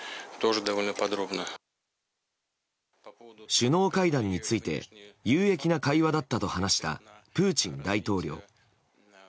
首脳会談について有益な会話だったと話したプーチン大統領。